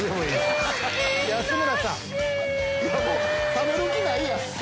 食べる気ないやん！